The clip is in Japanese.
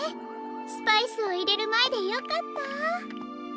スパイスをいれるまえでよかった。